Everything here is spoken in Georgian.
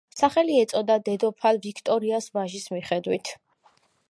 სახელი ეწოდა დედოფალ ვიქტორიას ვაჟის მიხედვით.